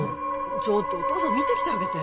ちょっとお父さん見てきてあげて・